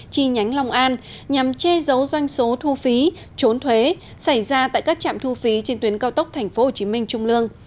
chi nhánh long an nhằm che giấu doanh số thu phí trốn thuế xảy ra tại các trạm thu phí trên tuyến cao tốc tp hcm trung lương